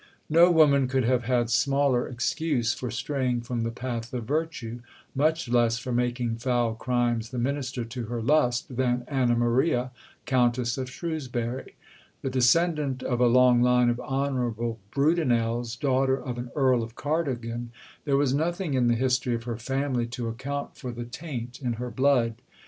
No woman could have had smaller excuse for straying from the path of virtue, much less for making foul crimes the minister to her lust than Anna Maria, Countess of Shrewsbury. The descendant of a long line of honourable Brudenells, daughter of an Earl of Cardigan, there was nothing in the history of her family to account for the taint in her blood.